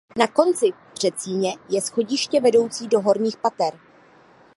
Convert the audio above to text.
Na konci předsíně je schodiště vedoucí do horních pater.